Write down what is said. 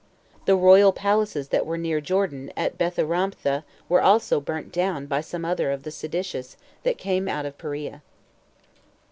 The royal palaces that were near Jordan at Betharamptha were also burnt down by some other of the seditious that came out of Perea.